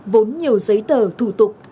vốn nhiều giấy tờ thủ tục